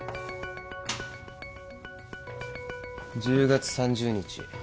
１０月３０日。